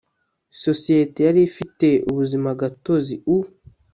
sosiyete yari ifite ubuzimagatozi u